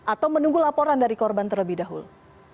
atau menunggu laporan dari korban terlebih dahulu